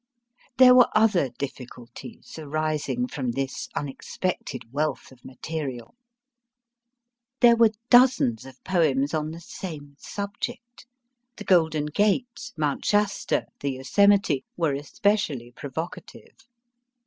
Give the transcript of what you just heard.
There were other difficulties arising from this unexpected wealth of material. There were dozens of poems on the same subject. The Golden Gate, Mount Shasta, < The Yoscmite, were especially provocative.